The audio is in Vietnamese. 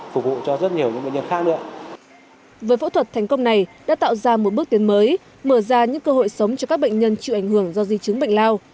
với phẫu thuật thành công này đã tạo ra một bước tiến mới mở ra những cơ hội sống cho các bệnh nhân chịu ảnh hưởng do di chứng bệnh lao